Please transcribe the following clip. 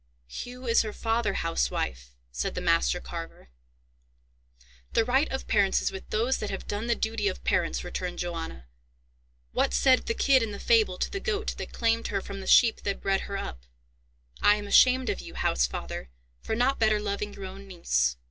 "Hugh is her father, housewife," said the master carver. "The right of parents is with those that have done the duty of parents," returned Johanna. "What said the kid in the fable to the goat that claimed her from the sheep that bred her up? I am ashamed of you, housefather, for not better loving your own niece."